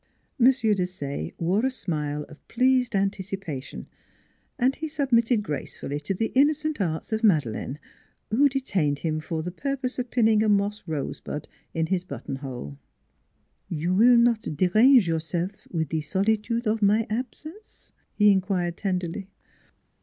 M. Desaye wore a smile of pleased anticipation, and he submitted gracefully to the innocent arts of Madeleine, who detained him for the purpose of pinning a moss rosebud in his buttonhole. " You will not derange yourself with the soli tude of my absence ?" he inquired tenderly.